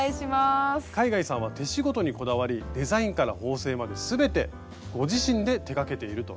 海外さんは手仕事にこだわりデザインから縫製まで全てご自身で手がけていると。